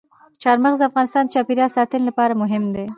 چار مغز د افغانستان د چاپیریال ساتنې لپاره مهم دي.